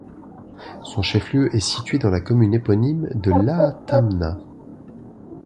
Son chef-lieu est situé dans la commune éponyme de Laâtamna.